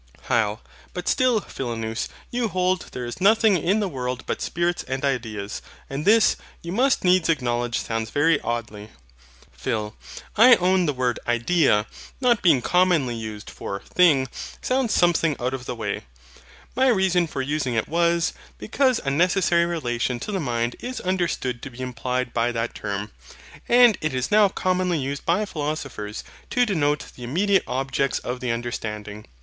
HYL. But still, Philonous, you hold, there is nothing in the world but spirits and ideas. And this, you must needs acknowledge, sounds very oddly. PHIL. I own the word IDEA, not being commonly used for THING, sounds something out of the way. My reason for using it was, because a necessary relation to the mind is understood to be implied by that term; and it is now commonly used by philosophers to denote the immediate objects of the understanding.